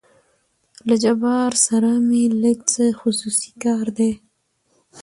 له جبار سره مې لېږ څه خصوصي کار دى.